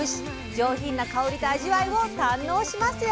上品な香りと味わいを堪能しますよ！